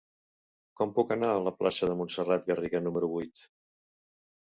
Com puc anar a la plaça de Montserrat Garriga número vuit?